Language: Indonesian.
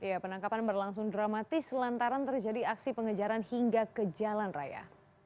ya penangkapan berlangsung dramatis lantaran terjadi aksi pengejaran hingga ke jalan raya